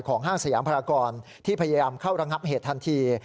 ห้างสยามพรากรที่พยายามเข้าระงับเหตุทันที